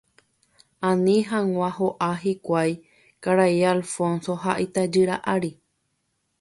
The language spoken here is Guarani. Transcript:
Ani hag̃ua ho'a hikuái karai Alfonso ha itajýra ári